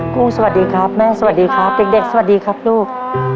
กุ้งสวัสดีครับแม่สวัสดีครับเด็กสวัสดีครับลูก